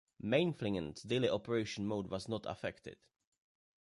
Mainflingen's daily operation mode was not affected.